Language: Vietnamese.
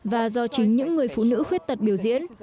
và do chính những người phụ nữ khuyết tật biểu diễn